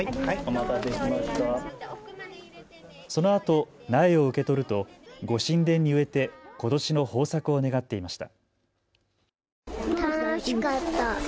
そのあと苗を受け取ると御神田に植えてことしの豊作を願っていました。